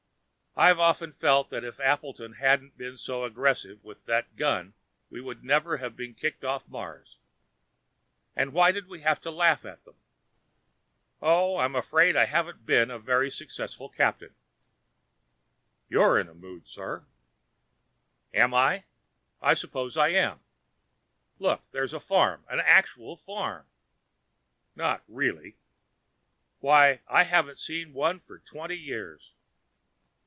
I've often felt that if Appleton hadn't been so aggressive with that gun we would never have been kicked off Mars. And why did we have to laugh at them? Oh, I'm afraid I haven't been a very successful captain." "You're in a mood, sir." "Am I? I suppose I am. Look! There's a farm, an actual farm!" "Not really!" "Why, I haven't seen one for twenty years."